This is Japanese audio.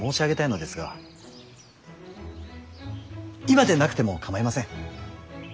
今でなくても構いません。